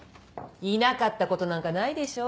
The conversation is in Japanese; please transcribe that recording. いなかったことなんかないでしょ？